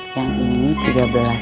yang ini tiga belas